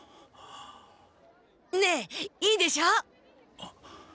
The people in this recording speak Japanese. ねえいいでしょ？